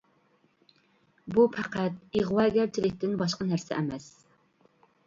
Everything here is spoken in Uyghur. بۇ پەقەت ئىغۋاگەرچىلىكتىن باشقا نەرسە ئەمەس.